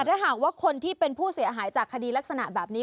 ถ้าหากว่าคนที่เป็นผู้เสียหายจากคดีลักษณะแบบนี้